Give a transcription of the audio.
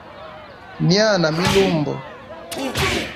Myaa na milumbo.